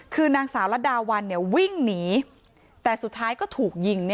คือนางสาวรัดดาวันวิ่งหนีแต่สุดท้ายก็ถูกยิง